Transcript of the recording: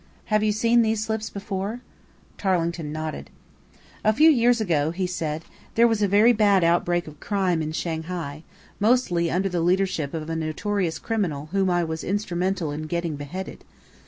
Have you seen these slips before?" Tarling nodded. "A few years ago," he said. "There was a very bad outbreak of crime in Shanghai, mostly under the leadership of a notorious criminal whom I was instrumental in getting beheaded.